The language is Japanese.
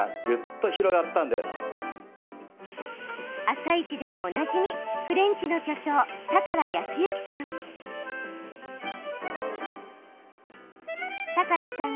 「あさイチ」でもおなじみフレンチの巨匠、高良康之さん。